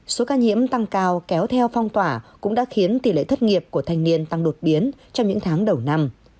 số ca nhiễm tăng cao kéo theo phong tỏa cũng đã khiến tỷ lệ thất nghiệp của thanh niên tăng đột biến trong những tháng đầu năm